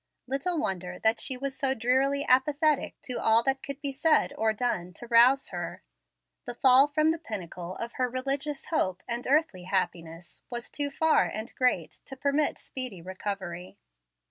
Little wonder that she was so drearily apathetic to all that could be said or done to rouse her. The fall from the pinnacle of her religious hope and earthly happiness was too far and great to permit speedy recovery.